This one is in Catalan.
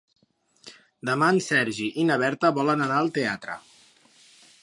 Demà en Sergi i na Berta volen anar al teatre.